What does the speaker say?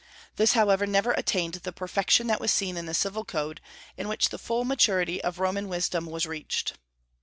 This however never attained the perfection that was seen in the Civil Code, in which the full maturity of Roman wisdom was reached.